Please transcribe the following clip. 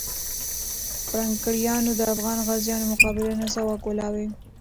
پرنګیانو د افغان غازیانو مقابله نه سوه کولای.